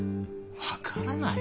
分からない？